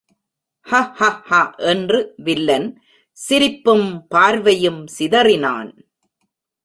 ஹ ஹ ஹ என்று வில்லன் சிரிப்பும் பார்வையும் சிதறினான்.